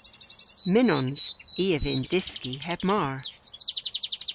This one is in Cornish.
Mynnons. I a vynn dyski heb mar.